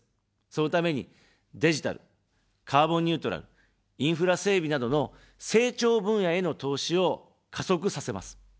そのために、デジタル、カーボン・ニュートラル、インフラ整備などの成長分野への投資を加速させます。